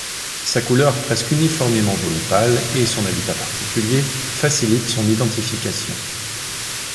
Sa couleur presque uniformément jaune pâle et son habitat particulier facilitent son identification.